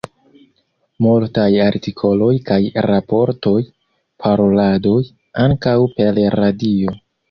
Multaj artikoloj kaj raportoj; paroladoj, ankaŭ per radio.